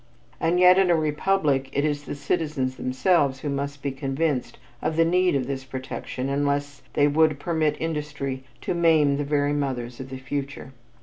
And yet in a republic it is the citizens themselves who must be convinced of the need of this protection unless they would permit industry to maim the very mothers of the future.